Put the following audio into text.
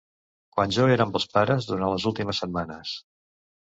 Quan jo era amb els pares durant les últimes setmanes.